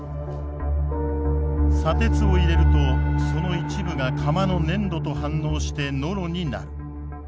砂鉄を入れるとその一部が釜の粘土と反応してノロになる。